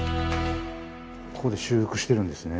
ここで修復してるんですね。